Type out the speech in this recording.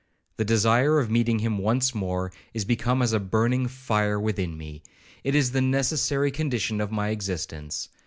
—The desire of meeting him once more, is become as a burning fire within me,—it is the necessary condition of my existence.